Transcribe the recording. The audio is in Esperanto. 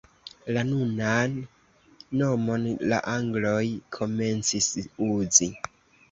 La nunan nomon la angloj komencis uzi.